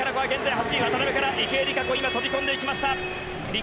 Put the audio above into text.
８位、渡部から池江璃花子が飛び込んでいった。